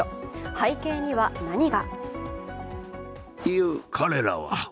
背景には何が？